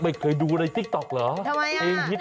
ไม่เคยดูในติ๊กต๊อกเหรอ